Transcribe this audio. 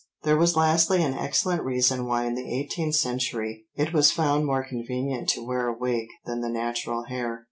There was lastly an excellent reason why in the eighteenth century it was found more convenient to wear a wig than the natural hair.